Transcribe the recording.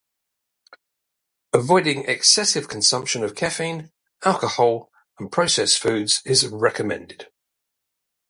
Avoiding excessive consumption of caffeine, alcohol, and processed foods is recommended.